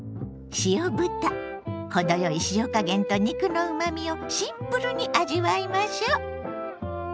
程よい塩加減と肉のうまみをシンプルに味わいましょ！